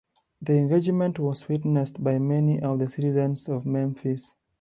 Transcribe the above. The engagement was witnessed by many of the citizens of Memphis.